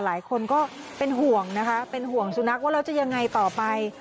หลายคนก็เป็นห่วงนะคะเป็นห่วงสุนัขว่าแล้วจะยังไงต่อไป